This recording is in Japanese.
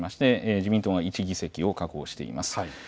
自民党は１議席を確保しています。